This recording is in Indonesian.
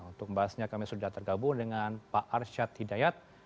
untuk membahasnya kami sudah tergabung dengan pak arsyad hidayat